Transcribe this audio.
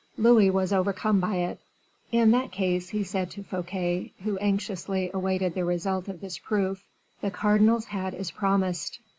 Louis was overcome by it. "In that case," he said to Fouquet, who anxiously awaited the result of this proof, "the cardinal's hat is promised.